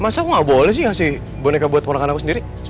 masa aku gak boleh sih ngasih boneka buat temen kanakku sendiri